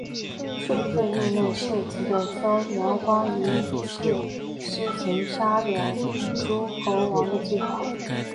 数次入内侍疾的萧遥光于是施行杀戮诸侯王的计划。